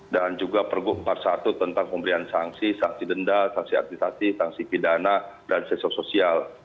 dan juga pergub empat puluh satu tentang pemberian sanksi sanksi denda sanksi aktivitas sanksi pidana dan sesok sosial